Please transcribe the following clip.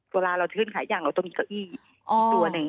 เวลาเราชื่นขายอย่างเราต้องมีเก้าอี้อีกตัวหนึ่ง